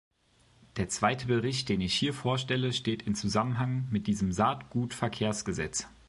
Der zweite Bericht, den ich hier vorstelle, steht in Zusammenhang mit diesem Saatgutverkehrsgesetz.